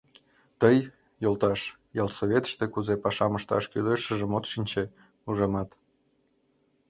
— Тый, йолташ, ялсоветыште кузе пашам ышташ кӱлешыжым от шинче, ужамат.